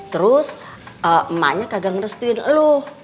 terus emaknya kagak ngeresutin lu